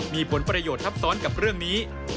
มีผลประโยชน์ทับซ้อนกับเรื่องนี้